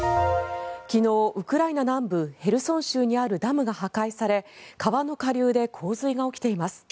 昨日、ウクライナ南部ヘルソン州にあるダムが破壊され川の下流で洪水が起きています。